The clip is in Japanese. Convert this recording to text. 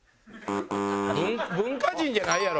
文化人じゃないやろ。